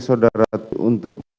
saudara itu untuk